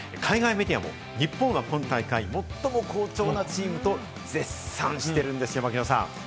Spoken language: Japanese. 海外メディアも日本は今、大会最も好調なチームと絶賛しています、槙野さん。